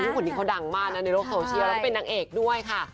คนนี้เขาดังมากนะในโลกโซเชียลแล้วก็เป็นนางเอกด้วยค่ะ